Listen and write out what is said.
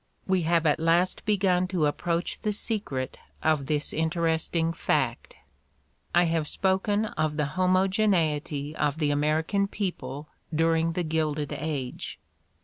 We have at last begun to approach the secret of this in teresting fact. I have spoken of the homogeneity of the American people during the Gilded Age.